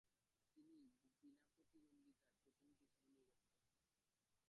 তিনি বিনা প্রতিদ্বন্দ্বিতায় প্রতিনিধি হিসেবে নির্বাচিত হন।